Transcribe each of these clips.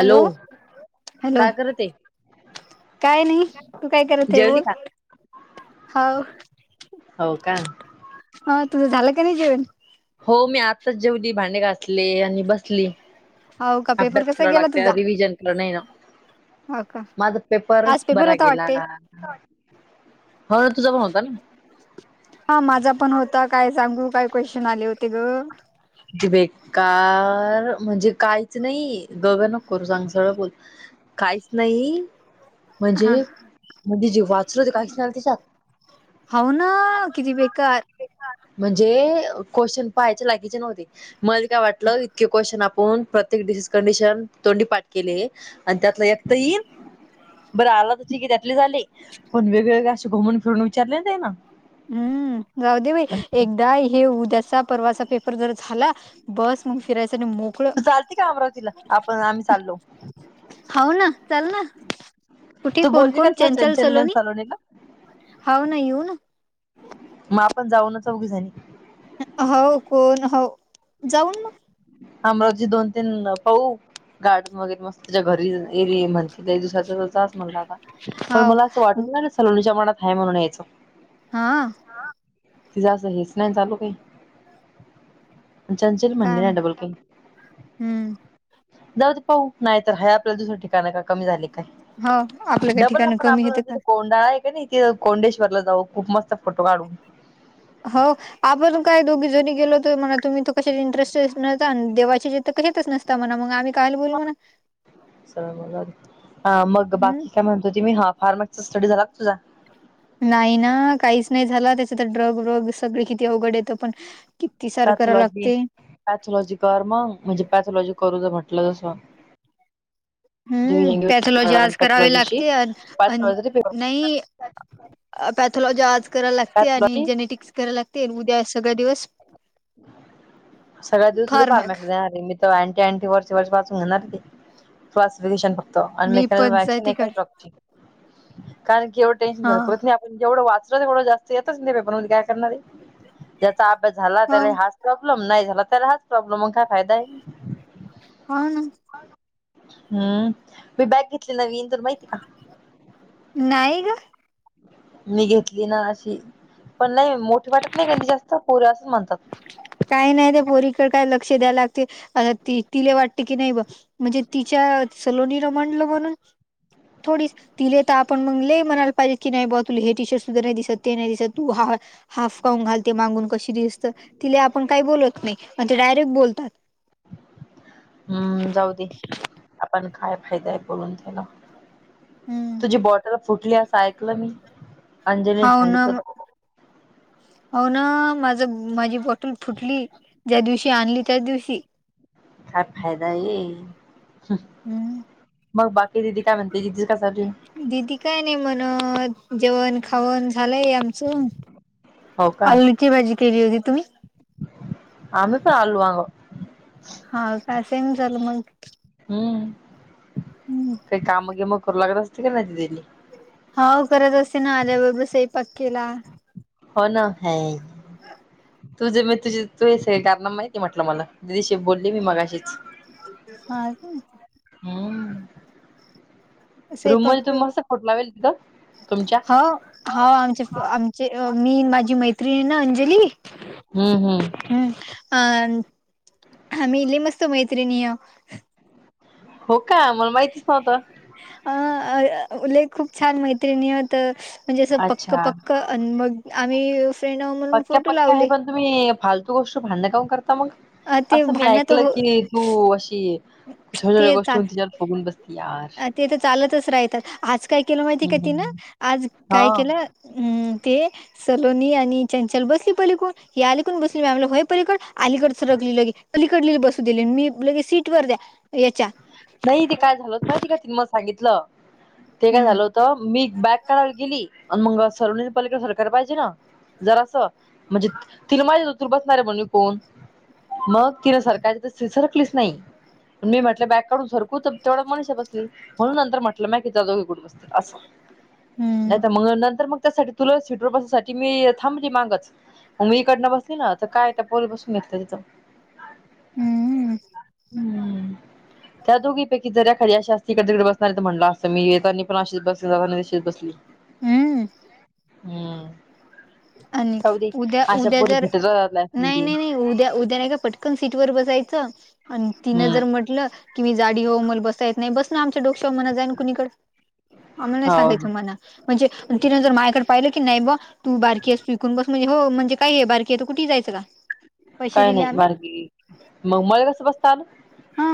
Hello hello काय करते काय नाही तू काय करत आहे जेवली बोल का हाव हो का हा तुझं झालं का नाही जेवण हो मी आत्ताच जेवली भांडे घासले आणि बसली हाव का पेपर अभ्यास कसा करावा गेला लागतो तुझा रिविजन केली नाही आहे ना हो का माझा पेपर आज बरा होता गेला वाटते हो तुझा पण होता ना हा माझा पण होता काय सांगू काय क्वेशन आले होते ग बेकार म्हणजे काहीच नाही गगं नको करू सांग सगळं बोल काहीच नाही हा म्हणजे म्हणजे जे वाचल ते काहीच नाही त्याच्यात होना किती बेकार म्हणजे क्वेशन पाहायचे लागीचे नव्हते मले काय वाटलं इतके क्वेशन कोण प्रत्येक डि कंडिशन तोंडी पाठ केली आणि त्यातला एकतही इल बरं आला तर ठीक आहे त्यातले झाली पण वेगवेगळे असे घुमून फिरून विचारले नाई ना हम्म जाऊ दे बाई एकदा हे उद्याचा परवाचा पेपर जर झाला बस मग फिरायचं आणि मोकळ तू चालते का अमरावतीला आपण आम्ही चाललो हो ना चल ना. कुठे तू कोण बोलली का कोण तसं चंचल सलोनी सलोनीला हाव ना येऊ ना. मग आपण जाऊनच चोघी जणी हो कोण हो जाऊन मग अमरावजी दोन तीन पाऊ गार्डन वगैरे मस्त त्याच्या घरी इर इर् म्हण. ति दिसाच म्हणला आता पण हाव मला असं वाटत ना सलोणीच्या मनात हाय म्हणून ह्याच. हा. तिझं असं हेच नाही चालू काही चंचल काय म्हणले नाही डबल. ह. हम्म जाऊ ते पाहू नाही तर ह आपल्याला दुसरं ठिकाणं का कमी झाली काय? हो आपलं काही डबल ठिकाण आपण कमी आपलं येते का म्हणजथ कोंडाळा आहे का नाही. ते कोंडेश्वर ला जाऊ खूप मस्त फोटो काढून हो आपण काय दोघी जणी गेलो तर म्हणा तुम्ही तो कशा इंटरेस्ट न देवाचे तर कशातच नसता म्हणा मग आम्ही काहायला बोलू म्हणा. मग हम्म बाकी काय म्हणतो ते मी ह फार्मक्स स्टडी झाला तुझा? नाही ना काहीच नाही झाला त्याच्या तर ड्रग वग सगळे किती अवघड येतं पण सारं कराव पॅथॉलॉजी लागते पॅथॉलॉजी कर मग म्हणजे पॅथॉलॉजी करू म्हटलं जसं. हम्म पॅथॉलॉजी आज करावी पॅथॉलॉजीशी लागते अंन अंन पॅथॉलॉजी नई. पॅथॉलॉजी आज कराला लागते आणि पॅथॉलॉजी जेनेटिक्स करायला लागते उद्या सगळ दिवस सगळ्या दिवस थोडे पार फार्मॅक मकल्यारे मी तो आण्टी आण्टी वाचून घेणारश ती तो आसंल विशाल बगतो मी अनलेक. पंचायतीकडे कारण की एवढ टें्शन हा झार परत ह्यो आप पण जेवढं वाचलं तेवढं जास्त येतं तेवढ येतच पेपर मधी काय करणारे ज्याचा अभ्यास झाला हो त्याला ह. प्रॉब्लेम नाही झाला तर हाच प्रॉब्लेम मग काय फायदा आहे. हा ना. हम्म मी बॅग घेतली नवीन तर माहिती का? नाहीय ग. मी घेतली ना अशी पण नाही मोठीे वाटत नाही कधी जास्त पोरी असंच म्हणतात. काही नाही त्या पोरीकडे काय लक्ष द्याय लागते ती तिला वाटते की नाही बघ. म्हणजे तिच्या सलोनी रमडलं म्हणून थोडी तिले तर आपण मगले म्हणायला पाहिजे की नाही बा तुला हे टीशर सुद्धा नाही दिसत ते नाही दिसत तू हा. हाफ काउून घालते मागून कशी दिसत तिला आपण काही बोलत नाही मग ते डायरेक्ट बोलतात. हम्म जाऊ दे आपण काय फायदा आहे बोलून त्याला हम्म. तुझी बॉटल फुटली असं ऐकलं मी अंजलीने हाऊ ना सांगितलं होत हो ना माझ माझी बॉटल फुटली. ज्या दिवशी आणली त्या दिवशी काय फायदा ये. हम्म मग बाकी दिदी काय म्हणते दिदीच कासाज दिदी काय नाही म्हणत जेवण खावण झालंय आमचं. हो आलूची भाजी केली होती तुम्ही? आणू चा आलू आह. हा काय सेम झालं मग हम्म काही कामं गेम करू लागत असती की नाही दीदिली हाव करत असती ना आल्या बरबर सईपाक केला. हो ना है. तुझे म तुझे तू हे सग कारना माहिती म्हटलं मला दिदीशी बोलली मी मगाशीच हा. हम्म रूम मध्ये सपक् तुम्ही मस्त फोटो लावेल तिथं तुमच्या हा. हो आमचे आमचे मी माझी मैत्रिणीण ना अंजली हम् हम्म हम आ हमी इल्ली मस्त मैत्री नि हाव हो का मला माहितीच नव्हतं. अ उले खूप छान मैत्रिणीत आहोत म्हणजे असं पक्क अच्छा पक्क अन् मग आम्हीस् पक्क्या पक्क्या आहे पण तुम्ही फालतू गोष्ट भां्यकान करता मग अ ते असं मी भांडण तर ऐकलं हो की हो अशी छो्या छोड्या ते गोष्टीन चाल तिच्यावर फुगून बसते. ते तर चालतच राहतात आज काय केलं माहितीय का हम्म, तिनं हम्म. आज हा काय केलं. हम्म ते सलोनी आणि चंचल बसली पली कोण? ही अलीकून बसली ममला होय पलीकड अलीकड सरकली लगे अलीकड लली बसू दिली मी लगे सीट वर द्या. याच्या नाही ते काय झालत माहिती का ति मग सांगितलं ते काय हम्म झाल. तर मी बॅक काढायला गेली आणि मग सर्वनि पलिका सरकार पाहिजे ना जर असं. म्हणजे तिर माझ्याच उतर बसणार आहे म्हणू कोण? मग कि सरकारची तर सरकलीच नाही मी म्हट बॅग काडून सरकू तर तेवढ मनष बसली म्हणून नंतर म्हटलं नाही कि दोघे कुड बस. अस हम्म नाही तर मग नंतर मग त्यासाठी तुला सिटू बसण्यासाठी मी थांबली मागच मगी इकडनं बसली ना तर काय तर पोल बसून घेतलं तिथं. हम्म हम्म त्या दोघीपैकी जर एखादी अशी अस त इिकडे तिकडे बसणार तर म्हटलं असं मी येताना पण अशीच बसले जात तच बसली. हम्म हम्म आणि जाऊ दे उद्या अशा उद्या पोरी जर भेटत राहतात नाही लाईफमध्ये नाही नाही उद्या उद्या नाही का पट ण सीट वर बसायचं आणि तिनं हम्म जर म्हटलं. कि मी जाडी होऊ मग बसाय य नाहीसं आमच्या डोकशा मणा जाई कुणीकडे आम्हाला नाही हो सांगायचं मला म्हणजे तिनंतर माझ्याकडे पाहिलं की नाही ब तू बार. विकून बस म्हणे हो म्हणज काय बारकी आहे तर कुे जायचं का? पैसे काय दिले नाही आम्ही मारगी मग मला कसं बसतल हा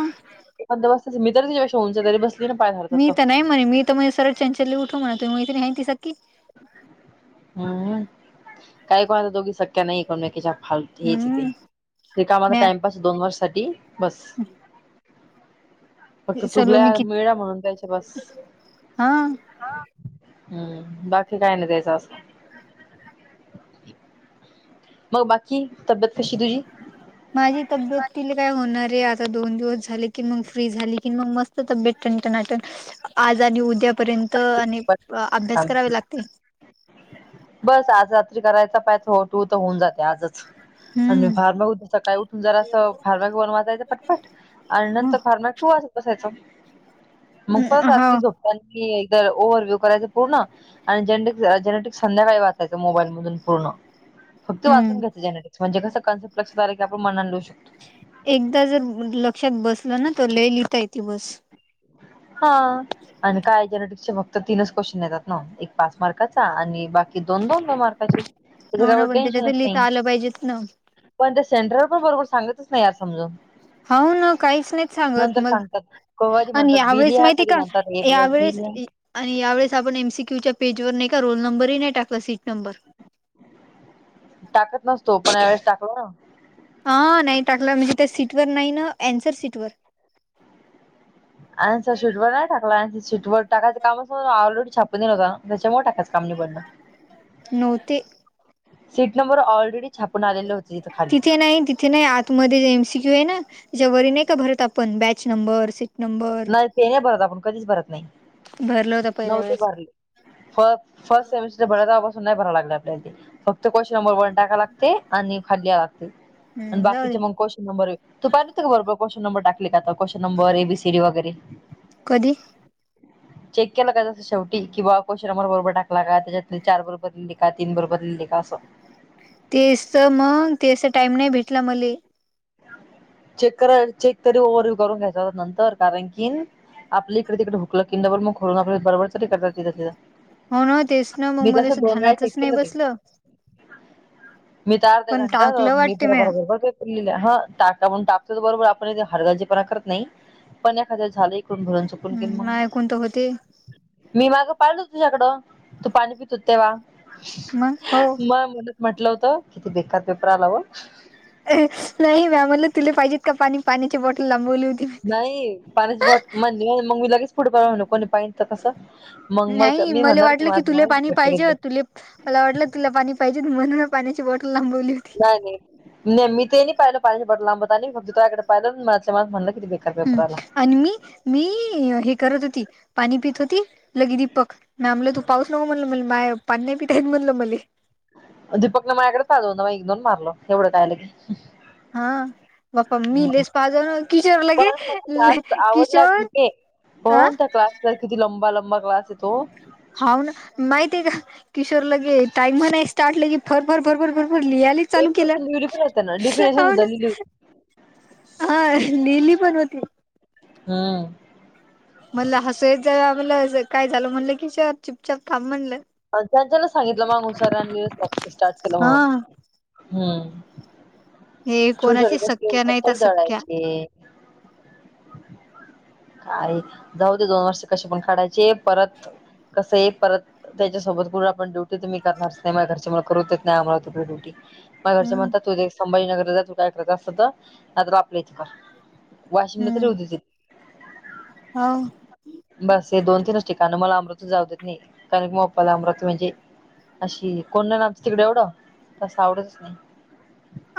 अ बसता मी तरी जव्हाशी उंच तरी बस. मी तर नाही म्हणे मी तर म्हणजे सरळ चंचलली उठव म्हणा तुही माैत नाहीती सक्ी हम्म काही कोणाचा दोघी शक्या नाही करण किच्या फाल हेचथे हम्म तर कामला म्या टाइमपास दोन वर्ष सा बस. फक्त सलोनी चुकल्या कि मिेळा म्हणून त्यायच्या बस. हा हम्म बाकी काय नाही दयचं असं. मग बाकी तब्येत कशी तुझी माझी तब्येत तिले काय होणार आहे आता दोन दिवस झाले की मग फ्री झाली कि मग मस्त तब्येतटनाटन आज आणि उद्यापर्यंत आणि अभ्यास करावे लागते. बस आज रात्री करायचा पाहिचट हो तर होऊन जाते आजच आणि हम्म फार्ग हो सकाळी उठून जरा असं फार्ग घेऊन वाजायचं पटपट. आणि नंतर फार माग ठू वा असत असायचं. मग परत रात्री हो झोत की एक ओव्हरव्ह्यू करायच पूर्ण आणि ज जट. संध्याकाळी वाचायचं मोबाईल मधून पूर्ण फक्त वाचून हम्म घ्यायचं जेनेटिक्स म्हणजे कसं कन्सेप्ट. लक्ष तारीख आप मनडू शको. एकदा जर लक्षात बसलं ना तर ल लिहिता येते बस. हा आणि काय जेनेटिक्स चे फक्त तीनच क्वेश्चन येतात ना एक पास मार्काचा आणि बाकी कि दोन्नंद मार्काचे हो तव ना पण त्याच्यात टेन्शनच लिहिता नाही. आलं पाहिजेत ना पण ते सेंटरर पण बरोबर सांगतच नाही यार समजून. हो ना काहीच नाही सांगत नंतर मग सांगतात कधी आणि म्हणतात बी यावेेळेस लिहा माहिती कधी का? म्हणतात ए प्लस बी यावेळेस- लिहा आणि यावेेळेस आपण एम सी क्यूच्या पेज वर नाही का रोल नंबरही नाही टाकला सीट नंबर. टाकत नसतो. पण यावेळेस टाकला ना. आं. नाही टाकला म्हणजे त्या सीट वर नाही ना आन्सर सीटवर. आणि शिटवर नाही टाकला शिट टायं कामम ऑलरेडी छपून दि न होता ना. त्याच्यामुळं टाटा च काम निवडलं. नव्हती. सीट नंबर ऑलरेडी छापून आलेले होते ईथं खाली. तिथे नाही तिथे नाही आत- मध्ये जे एमसीक्यू आहे ना? त्याच्यावरी नाही का भरत आपण बॅच नंबरस- नाही ते नाही भरत आपण. कधीच भरत नाही. भरला होता पहिल्या नव्हते वेळेस भरले. फ फर्स्ट सेमिस्टर भरायल्यापासून नाही भराव लागलं आपल्याला ते. फक्त क्वेशचन नंबर वन टाकाव लागतय आणि खाली यावं लागतय. आणि हम्म जाऊ बाकीचे दे मग क्वशन नंबर, तू पाहिले का बरोबर क्वशन नंबर टाकले का आता? Question number A B C D - वगैरे. कधी? चेक केलं का जसं शेवटी? की बा क्वशन नंबर बरोबर टाकला का? त्याच्यातले चार बरोबर लिहिले. का तीन बरोबर लिहिलेले का असं. तेच तर मंग. तेच त टाइम नाही भेटला मले. चेक करा, चेक तरी ओव्हर व्यू करून घ्यायचा हो नंतर. कारण की- आपल इकडे तिकडे हुकलं कि डबल मग खोडून आपल बरोबर तरी करता येत तिथंल्या तिथं. हो ना. तेच ना म. मी मला अस तसं दोन वेळा ध्यानातच चेक केलं नाही ते बसलं. मी तर अर्धा पण घंटा, टाकलं मी वाटते म्या भरभरा भरा पेपर लिहिला. हां. टाक - ण टाचेल बरोबर. आपणइथे हलगर्जी पणा करत नाही. पण एखाद वेळेस झाले- कून [unintelligible] हम्म मग नाही ऐकून तर होते मी माग पाहिल होत तुझ्याकडं. तू पाणी पित होती तेव्हा. मग हो म मनात म्हंटलं होत. किती बेकार पेपर आलाव. नाही मॅम बोलल्या तुला पाहिजे का पाणी? पाण्याची बॉटल लांबवली होती मी. नाही. पाण्याची बॉट, म मंग मी लगेच- पुढं पहावं म्हटलं. कुणी पाहिल तर कसं? मग मग मी म्हणणार होते [unintelligible] फिलिप. मला वाटलं तुला पाणी पाहिजे. म्हणून मी पाण्याची बॉटल लांबवली होती. नाही नाही नाही मी ते नाही प पाहिलं पाण्याची बॉटल लांबवतानी. फक्त तुझ्याकडे पाहिलं मनातल्या मनातं म्हणलं किती बेकार - हम्. आणि मी, मी हे करत होती. पाणी पित होती. लगे दीपक- म्या म्हणले तू पाऊच नको म्हणलं मले. माय पाणी नाही पीता येतंय म्हणलं मले. दीपकनी माझ्याकडे पाहिलं मई नऊन मारलो एवढं काय लगेच. हा. नाई पण निलेश [unintelligible] किशोरलगे पण किशोर- हो हा त्या क्लासचा किती लंबा लांबा क्लास येतो. हाव ना. माहिती आहे का? किशोर लगे टाइम म नाही. स्टार्टले की फर फर फरफर फर- लिहायले चालू डेफिनेशन केलं. लिहिली पण होते ना डेफिनेशन हाव सुद्धा ना. लिहिली होती हा. लिली पण होती. हम्म. मला हसू यायच दाबलं असं काय झालं म्हणलं किशोर? चुपचाप थांब म्हणलं. त्यांच्याना सांगितलं मागून सरांनी स्टार्ट केलं हा म्हणून. हम्म. हे छोट्या छोट्या कोणाची गोष्टी सख्या नाहीत कशाला सख्या जळायचे? काए? जाऊ दे दोन वर्ष कसे पण काढायचे. परत कस आहे? परत- त्याच्यासोबत कुठे आपण ड्युटी? तर मी करणारच नाही. माझ्या घरचे मला करूच देत नाही. [unintelligible] ड्युटी माझ्या घरचे हम्म म्हणतात तू संभाजीनगरला जा तू काय करायच असल तर, नाहि तर आपल्या इथे कर. वाशिमला तर [unintelligible] हा बस हे दोन तीनच ठिकाण मला अमृतीच जाऊ देत नाही कारण कीगप्पाला अमृवती म्हणजे. अशी कोणा नामच तिकडे एवढं तं आवड तु नाही.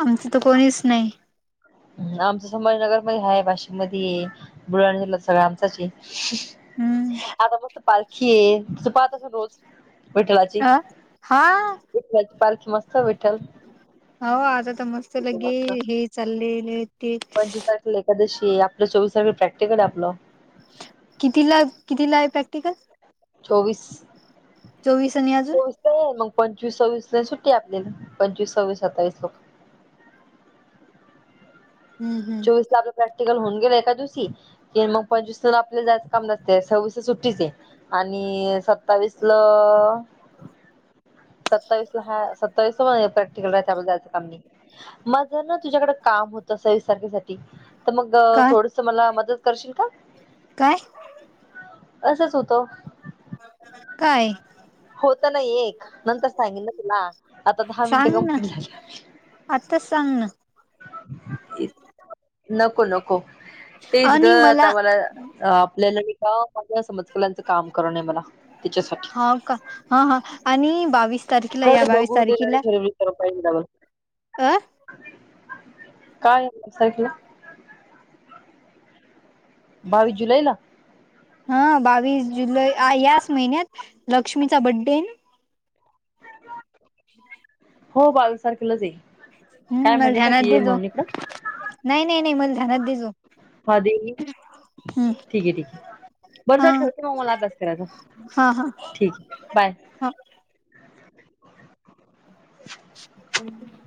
आमचं तर कोणीच नाही. आमच संभाजीनगर मध्ये हाय वाशिम मध्ये ये बुढ सगळं आमचाच हम्म आता मस्त पालखी आहे त पाहत अस रोज विठ्ठलाची. अ हा. विठलची पारख मस्त विठल. हो आता तर मस्त लगे हे चाललेले ते. पंचवीस तारखेल एकादशी आहे आपलं चोवीस तारखे प्रॅक्टिकल आहे आपलं. कितीला कितीला आहे प्रॅक्टिकल. चोवीस. चोवीस आणि अजून. चोवीस मग पंचवीस सव्वीस नाही सुट्टी आहे आपल्याला पंचवीस सव्वीस सत्तावीस लोक. हम्म हम्म चोवीस ला आपलं प्रॅक्टिकल होऊन गेलं एका दिवशी क मग पंचवीस आपल्या जायं काम नसते सव्वीस सुट्टीच आहे. आणि सत्तावीसल. सत्तावीस ला हा सत्तावीस प्रॅक्टिकल राहा आपला जायं काम नाही. मग जर ना तुझ्याकडे काम होत. तर मग काय थोडस मला मदत करशील का. काय? असच होतो. काय? होत ना एक नंतर सांगन ना तुला आता दहा मिनटे कमप्लीट झाली. आत्ता सांग ना. नको नको तेच ग आता मला आपल्याला ह माझ्या समतकलांचं काम करून आहे मला हा त्याच्यासाठी का हा हा आणि बावीस तारखेला हर या ते बावीस बघू ते आणि खर पा अं. काय आहेख. बावीस जुलै ला. हा बावीस जुलै याच महिन्यात लक्ष्मीचा बड्डे [inaudible] हो बालसारखेलंच येई काय हम्म मला म्हणे का ध्यानात ती ये देजो म्हणूनकडं. नाही नाही नाही मला धनात देसो. हा दे ठीक आहे ठीक आहे बरं हा जर ठेवते मग मला अभस करायचा. हा हा ठीक आहे बाय. हा. [unintelligible]